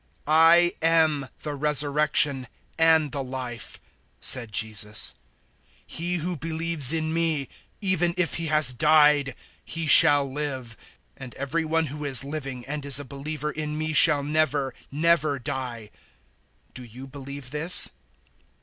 011:025 "I am the Resurrection and the Life," said Jesus; "he who believes in me, even if he has died, he shall live; 011:026 and every one who is living and is a believer in me shall never, never die. Do you believe this?"